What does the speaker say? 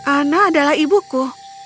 ana adalah ibuku